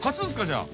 じゃあ。